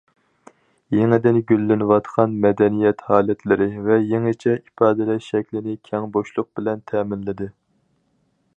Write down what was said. يېڭىدىن گۈللىنىۋاتقان مەدەنىيەت ھالەتلىرى ۋە يېڭىچە ئىپادىلەش شەكلىنى كەڭ بوشلۇق بىلەن تەمىنلىدى.